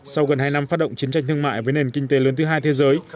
sau gần hai năm phát động chiến tranh thương mại với nền kinh tế lớn thứ hai thế giới